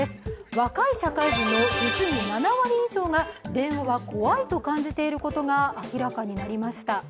若い社会人の実に７割以上が電話が怖いと感じている方がいることが明らかになりました。